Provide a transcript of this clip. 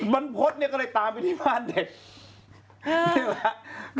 บรรพธก็เลยตามไปที่บ้านเด็ก